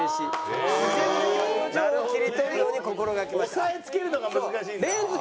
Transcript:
押さえつけるのが難しいんだ。